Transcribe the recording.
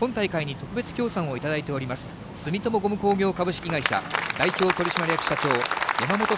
今大会に特別協賛をいただいております、住友ゴム工業株式会社代表取締役社長、山本悟